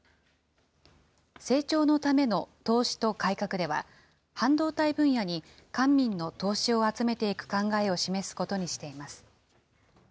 成長のための投資と改革では、半導体分野に官民の投資を集めていく考えを示すことにしています。